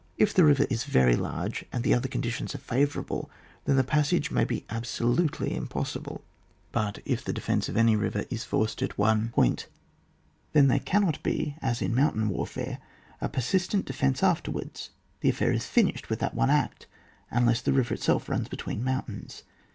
If the river is very large, and the other conditions are favourable, then the pas sage may be absolutely impossible. But if the defence of any river is forced at one 134 ON WAR. [book YI. point, then there cannot be, as in moun tain warfare, a persistent defence after wards; the affair is finished with that one act, unless that the river itself runs between moiintains.